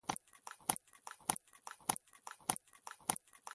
په څو شېبو کې واوره پیل شوه.